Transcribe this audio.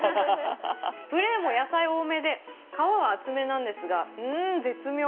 プレーンも野菜多めで皮は厚めなんですがうーん、絶妙。